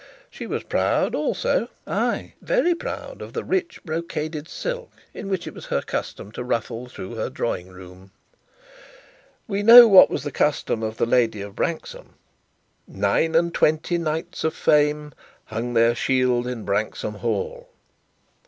She was proud also, ay, very proud, of the rich brocaded silk in which it was her custom to ruffle through her drawing room. We know what was the custom of the lady of Branksome "Nine and twenty knights of fame Hung their shields in Branksome Hall."